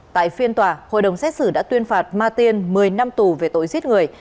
tại phiên tòa hội đồng xét xử đã tuyên phạt ma tiên một mươi năm tù về tội giết người